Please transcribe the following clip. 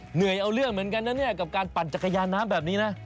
เหนื่อยเอาเรื่องเหมือนกันนะเนี่ยกับการปั่นจักรยานน้ำแบบนี้นะ